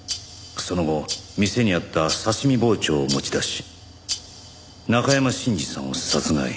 その後店にあった刺し身包丁を持ち出し中山信二さんを殺害。